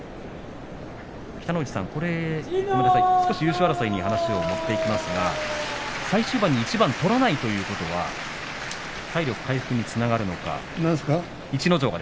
北の富士さん、優勝争いに話を持っていきますが最終盤に一番取らないということは体力回復につながるのか逸ノ城は。